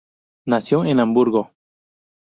Nació en Hamburgo.